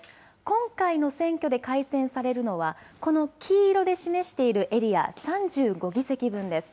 今回の選挙で改選されるのはこの黄色で示しているエリア、３５議席分です。